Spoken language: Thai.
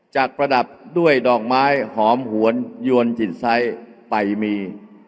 ประดับด้วยดอกไม้หอมหวนยวนจิตไซส์ไปมี